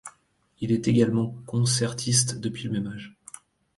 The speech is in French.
Il est également concertiste depuis le même âge.